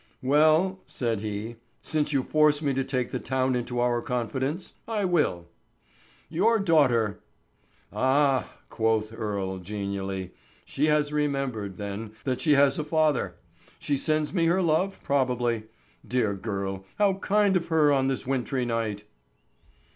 "Well," said he, "since you force me to take the town into our confidence, I will. Your daughter——" "Ah," quoth Earle, genially, "she has remembered, then, that she has a father. She sends me her love, probably. Dear girl, how kind of her on this wintry night!"